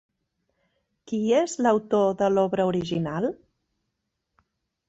Qui és l'autor de l'obra original?